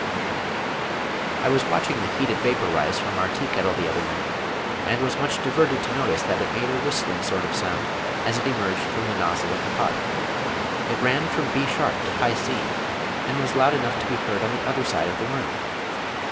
I was watching the heated vapor rising from our tea kettle the other night, and was much diverted to notice that it made a whistling sort of sound as it emerged from the nozzle of the pot. It ran from B sharp to high C, and was loud enough to be heard on the other side of the room.